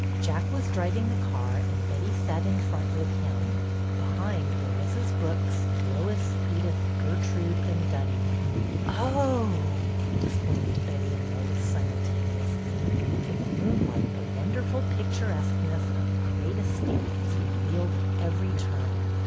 Jack was driving the car and Betty sat in front with him. Behind were Mrs. Brooks, Lois, Edyth, Gertrude, and Dunny. Oh !" exclaimed Betty and Lois, simultane ously. In the moonlight the wonderful pictur esqueness of the great estate was revealed at every turn.